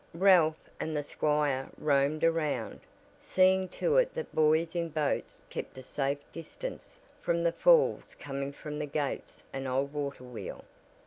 Ralph and the squire roamed around, seeing to it that boys in boats kept a safe distance from the falls coming from the gates and old water wheel.